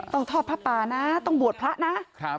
ต้องทอดพระป่านะต้องบวชพระนะ